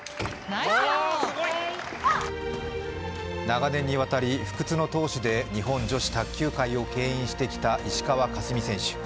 長年にわたり不屈の闘志で日本女子卓球界をけん引してきた石川佳純選手。